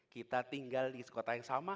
kita tinggal di kota yang sama